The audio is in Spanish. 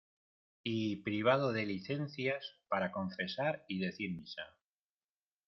y privado de licencias para confesar y decir misa.